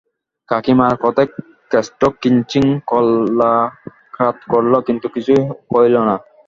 কাকীমার কথায় কেষ্ট কিঞ্চিৎ কল্লা কাৎ করল কিন্তু কিছুই কইলনা।